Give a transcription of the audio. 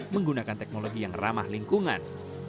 menggunakan teknologi yang ramah lingkungan